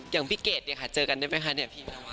อย่างพี่เกดค่ะเจอกันได้หรือเปล่าครับ